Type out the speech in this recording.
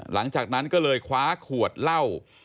หลังจากนั้นก็เลยคว้าขวดเหล้า